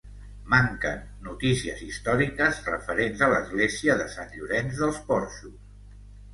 Manquen notícies històriques referents a l'església de Sant Llorenç dels Porxos.